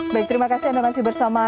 baik terima kasih anda masih bersama